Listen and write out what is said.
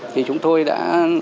thì chúng tôi đã